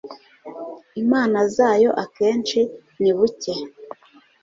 Imana zayo akenshi ni buke